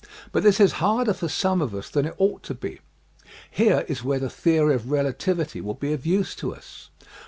But this is harder for some of us than it ought to be. Here is where the theory of relativity will be of use to us.